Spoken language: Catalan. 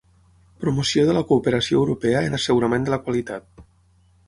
Promoció de la cooperació europea en assegurament de la qualitat